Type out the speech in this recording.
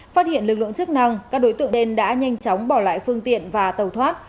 phát hiện lực lượng chức năng các đối tượng bên đã nhanh chóng bỏ lại phương tiện và tàu thoát